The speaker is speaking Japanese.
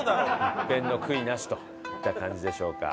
「一片の悔いなし！！」といった感じでしょうか。